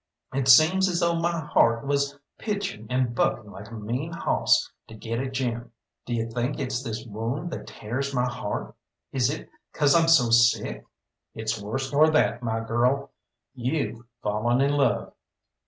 It seems as though my heart was pitchin' and buckin' like a mean hawss to get at Jim. D'you think it's this wound that tears my heart is it 'cause I'm so sick?" "It's worse nor that, my girl. You've fallen in love."